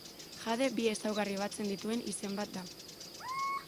Jade bi ezaugarri batzen dituen izen bat da.